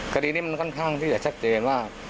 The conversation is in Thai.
คดีนี้มันค่อนข้างที่จะชัดเจนว่า